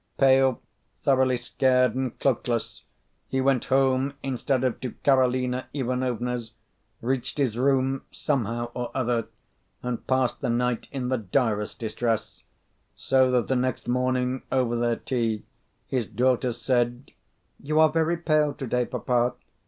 Pale, thoroughly scared, and cloakless, he went home instead of to Karolina Ivanovna's, reached his room somehow or other, and passed the night in the direst distress; so that the next morning over their tea his daughter said, "You are very pale to day, papa."